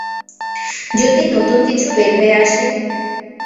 যদি নতুন কিছু বের হয়ে আসে।